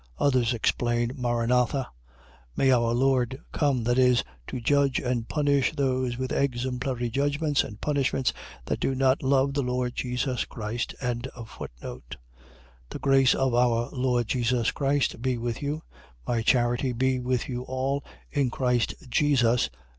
Others explain Maran atha: 'May our Lord come', that is, to judge and punish those with exemplary judgments and punishments, that do not love the Lord Jesus Christ. 16:23. The grace of our Lord Jesus Christ be with you. 16:24. My charity be with you all in Christ Jesus.